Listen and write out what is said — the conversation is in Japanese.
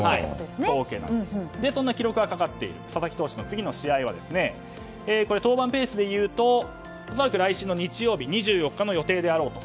そんな記録がかかっている佐々木投手の次の試合は登板ペースで言うと恐らく来週の日曜日２４日の予定であろうと。